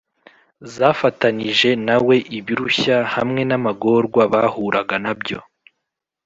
zafatanije na we ibirushya hamwe n’amagorwa bahuraga na byo